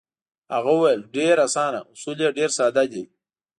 هغه وویل: ډېر اسانه، اصول یې ډېر ساده دي.